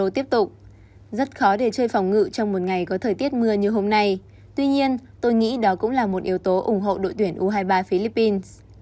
tuy nhiên tôi nghĩ đó cũng là một yếu tố ủng hộ đội tuyển u hai mươi ba philippines